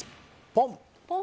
ポン！